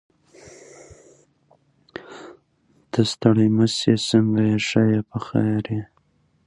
دوی د قهوې تجارت لپاره په اقتصاد کې اصلاحات راوستل.